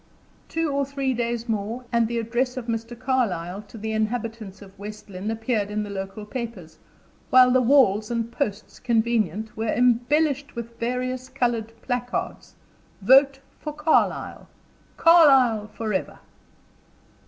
Two or three days more, and the address of Mr. Carlyle to the inhabitants of West Lynne appeared in the local papers, while the walls and posts convenient were embellished with various colored placards, "Vote for Carlyle." "Carlyle forever!"